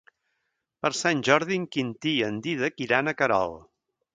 Per Sant Jordi en Quintí i en Dídac iran a Querol.